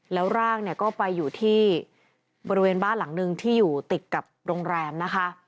แล้วร่างเนี่ยก็ไปอยู่ที่บริเวณบ้านหลังนึงที่อยู่ติดกับโรงแรมนะคะ